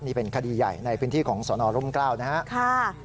นี่เป็นคดีใหญ่ในพื้นที่ของสนร่มกล้าวนะครับ